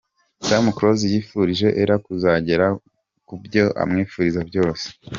Tom Close yifurije Ella kuzagera ku byo amwifuriza byose.